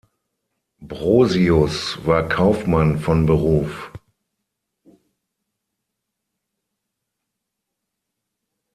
Brosius war Kaufmann von Beruf.